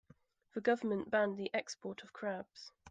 The government banned the export of crabs.